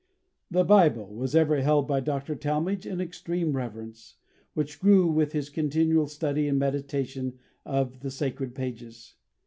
The Bible was ever held by Dr. Talmage in extreme reverence, which grew with his continual study and meditation of the sacred pages.